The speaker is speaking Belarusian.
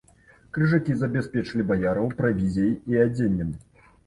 Крыжакі забяспечылі баяраў правізіяй і адзеннем.